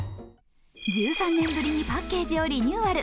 １３年ぶりにパッケージをリニューアル。